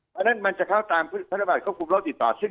เพราะฉะนั้นมันจะเข้าตามทนระบาดควบครัวโครวติดต่อ